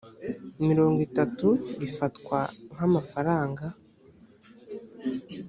mirongo itatu bifatwa nk amafaranga